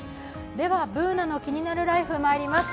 「ＢｏｏｎａのキニナルＬＩＦＥ」まいります。